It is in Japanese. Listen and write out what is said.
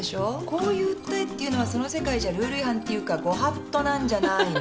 こういう訴えっていうのはその世界じゃルール違反っていうかご法度なんじゃないの？